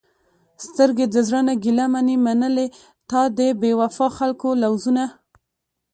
سترګې د زړه نه ګېله منې، منلې تا د بې وفاء خلکو لوظونه